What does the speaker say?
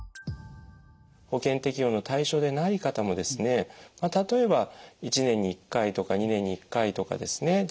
保険適用の対象でない方もですねまあ例えば１年に１回とか２年に１回とかですね